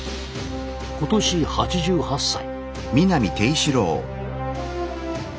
今年８８歳。